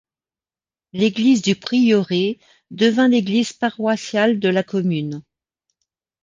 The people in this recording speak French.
L'église du prieuré devint l'église paroissiale de la commune.